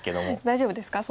大丈夫ですか？